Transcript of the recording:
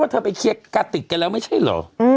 เธอไปเคลียร์กระติกกันแล้วไม่ใช่เหรอ